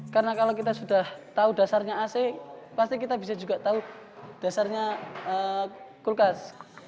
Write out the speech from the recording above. karena kalau kita sudah tahu dasarnya ac pasti kita bisa juga tahu dasarnya kulkas